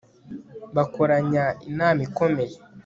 bakoranya inama ikomeye